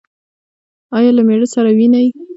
ایا له میړه سره وینئ؟